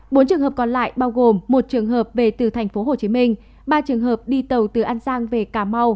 bốn trường hợp còn lại bao gồm một trường hợp về từ tp hcm ba trường hợp đi tàu từ an giang về cà mau